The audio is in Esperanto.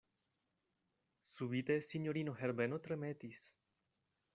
Subite sinjorino Herbeno tremetis.